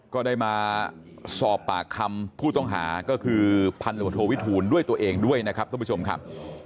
ก็ได้มาสอบปากคำผู้ต้องหาก็คือพันธบทโทวิทูลด้วยตัวเองด้วยนะครับทุกผู้ชมครับ